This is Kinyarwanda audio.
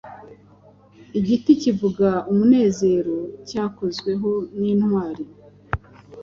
Igiti kivuga umunezero cyakozweho nintwari